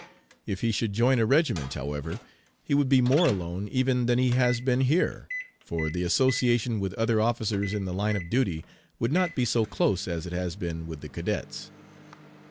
If he should join a regiment, however, he would be more alone even than he has been here, for the association with other officers in the line of duty would not be so close as it has been with the cadets.